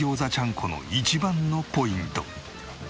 この一番のポイント。